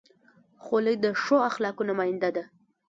خولۍ د ښو اخلاقو نماینده ده.